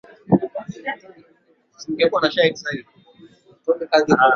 dihaidroetofini na hata heroini hutumika kama dawa mbadala badala ya